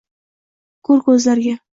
Ko’r ko’zlarga